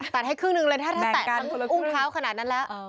ตัดให้ครึ่งหนึ่งเลยถ้าถ้าตัดสังอุ้งเท้าขนาดนั้นแล้ว